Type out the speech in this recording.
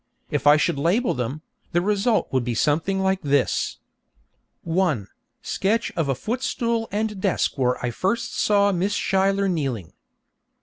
If I should label them, the result would be something like this: 1. Sketch of a footstool and desk where I first saw Miss Schuyler kneeling.